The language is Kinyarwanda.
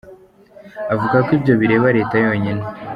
Avuga ko ibyo bireba Leta yonyine.